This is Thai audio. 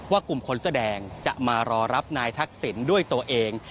กลุ่มคนแสดงจะมารอรับนายทักษิณด้วยตัวเอง